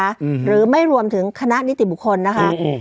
หรือไม่รวมถึงคณะนิติบุคคลนะคะอืม